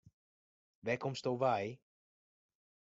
Wêr komsto wei?